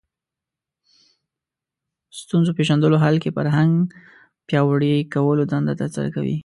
ستونزو پېژندلو حل کې فرهنګ پیاوړي کولو دنده ترسره کړو